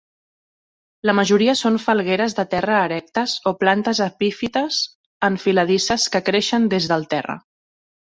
La majoria són falgueres de terra erectes o plantes epífites enfiladisses que creixen des del terra.